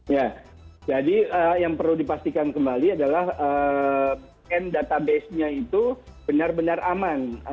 ya jadi yang perlu dipastikan kembali adalah database nya itu benar benar aman